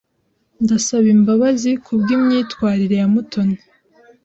Ndasaba imbabazi kubwimyitwarire ya Mutoni.